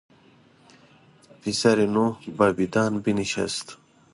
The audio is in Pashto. پسر نوح با بدان بنشست.